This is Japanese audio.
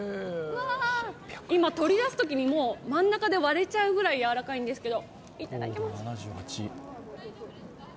今、取り出すときにもう真ん中で割れちゃうくらいやわらかいんですけど。